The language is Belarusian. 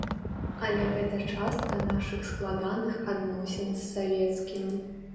Але гэта частка нашых складаных адносін з савецкім.